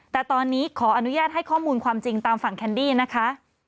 แต่ตอนนี้ขออนุญาตให้ข้อมูลความจริงตามฝั่งแคนดี้นะคะ